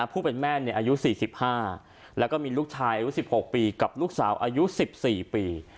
ผู้เป็นแม่อายุ๔๕แล้วก็มีลูกชายอายุ๑๖ปีกับลูกสาวอายุ๑๔ปี